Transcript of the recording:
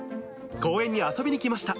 公園に遊びに来ました。